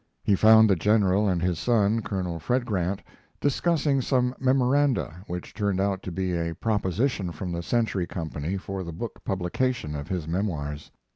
He found the General and his son, Colonel Fred Grant, discussing some memoranda, which turned out to be a proposition from the Century Company for the book publication of his memoirs.